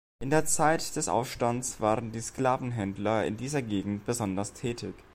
In der Zeit des Aufstands waren die Sklavenhändler in dieser Gegend besonders tätig.